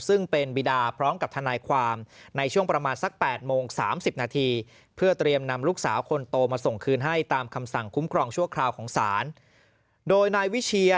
ซึ่งเป็นบิดาพร้อมกับทานายความ